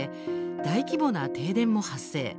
大規模な停電も発生。